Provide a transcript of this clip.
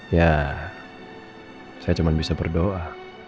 ya saya cuma bisa berdoa